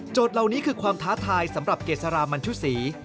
เหล่านี้คือความท้าทายสำหรับเกษรามันชุศรี